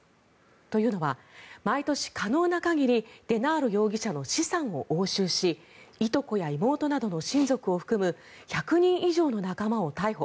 というのは毎年、可能な限りデナーロ容疑者の資産を押収しいとこや妹などの親族を含む１００人以上の仲間を逮捕。